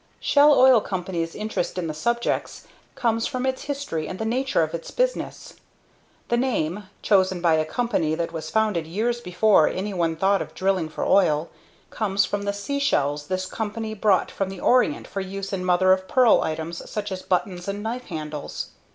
Shell Oil Company's interest in the subjects comes from its history and the nature of its business. The name chosen by a company that was founded years before anyone thought of drilling for oil comes from the seashells this company brought from the Orient for use in mother of pearl items such as buttons and knife handles.